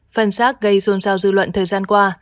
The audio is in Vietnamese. phân xác gây xôn xao dư luận thời gian qua